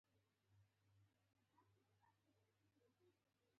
په موټر کې د یو څه مودې پورې چوپتیا سندره ویله.